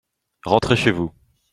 Rentrez chez vous.